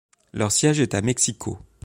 Leur siège est à Mexico.